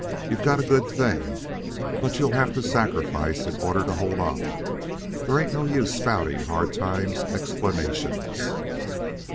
You've got a good thing, but you'll have to sacrifice in order to hold on. There ain't no use spouting hard times explanations.